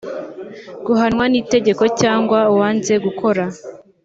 gihanwa n itegeko cyangwa uwanze gukora